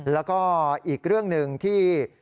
แล้วก็อีกเรื่องหนึ่งที่